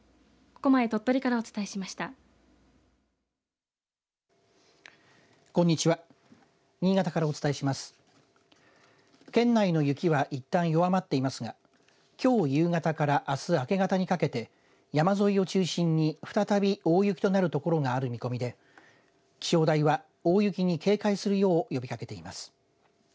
県内で雪はいったん弱まっていますがきょう夕方からあす明け方にかけて山沿いを中心に再び大雪となる所がある見込みで気象台は、大雪に警戒するよう呼びかけています。